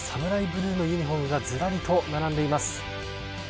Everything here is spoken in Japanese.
ブルーのユニホームがずらりと並んでいます。